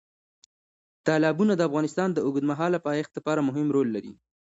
تالابونه د افغانستان د اوږدمهاله پایښت لپاره مهم رول لري.